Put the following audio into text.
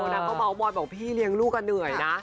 นางก็แบบพี่เรียงลูกคุณเหนื่อยนะ